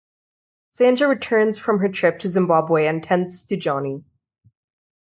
Sandra returns from her trip to Zimbabwe and tends to Johnny.